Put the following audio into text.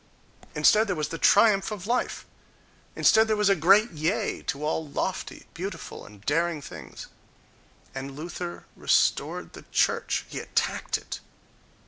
Instead there was the triumph of life! Instead there was a great yea to all lofty, beautiful and daring things!... And Luther restored the church: he attacked it....